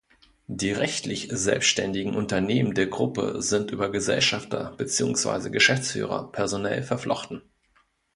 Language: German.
Die rechtlich selbständigen Unternehmen der Gruppe sind über Gesellschafter beziehungsweise Geschäftsführer personell verflochten.